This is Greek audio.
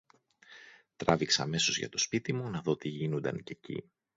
Τράβηξα αμέσως για το σπίτι μου, να δω τι γίνουνταν κι εκεί